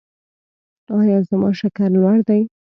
ایا زما شکر لوړ دی؟